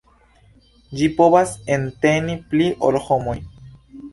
Ĝi povas enteni pli ol homoj.